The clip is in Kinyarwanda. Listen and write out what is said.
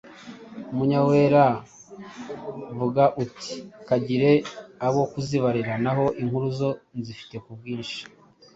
Munyawera:Vuga uti: “Kagire abo kuzibarira na ho inkuru zo nzifite ku bwinshi.”